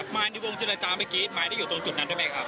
มาในวงเจรจาเมื่อกี้ไม้ที่อยู่ตรงจุดนั้นได้ไหมครับ